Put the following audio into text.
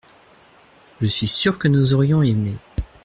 Je suis sûr que nous aurions aimé.